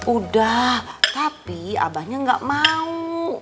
udah tapi abahnya gak mau